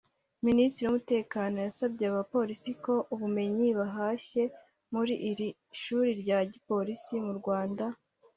Minisitiri w’Umutekano yasabye aba bapolisi ko ubumenyi bahashye muri iri shuri rya gipolisi mu Rwanda